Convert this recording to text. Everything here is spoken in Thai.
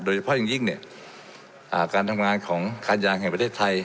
โดยเฉพาะอย่างยิ่งเนี่ยการทำงานของการยางแห่งประเทศไทย